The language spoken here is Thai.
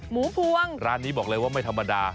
พวงร้านนี้บอกเลยว่าไม่ธรรมดา